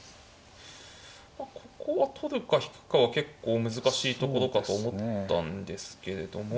まあここは取るか引くかは結構難しいところかと思ったんですけれども。